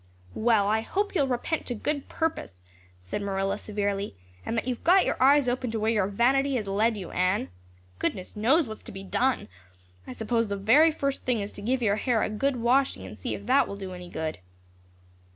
"Well, I hope you'll repent to good purpose," said Marilla severely, "and that you've got your eyes opened to where your vanity has led you, Anne. Goodness knows what's to be done. I suppose the first thing is to give your hair a good washing and see if that will do any good."